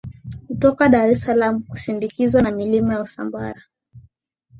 kutoka Dar es Salaam ukisindikizwa na milima ya Usambara